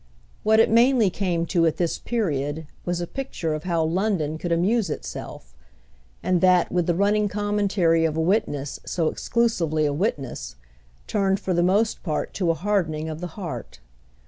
What it mainly came to at this period was a picture of how London could amuse itself; and that, with the running commentary of a witness so exclusively a witness, turned for the most part to a hardening of the heart.